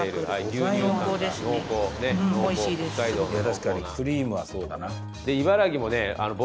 確かにクリームはそうだな。